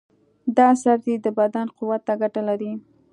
دا سبزی د بدن قوت ته ګټه لري.